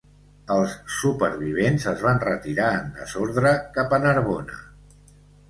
Els supervivents es van retirar en desordre cap a Narbona.